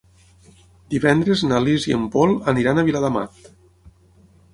Divendres na Lis i en Pol aniran a Viladamat.